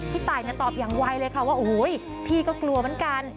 พี่ตายเนี่ยตอบอย่างไวเลยค่ะว่าอุ้ยพี่ก็กลัวเหมือนกัน